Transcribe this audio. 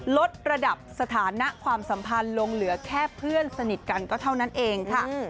ลดระดับสถานะความสัมพันธ์ลงเหลือแค่เพื่อนสนิทกันก็เท่านั้นเองค่ะ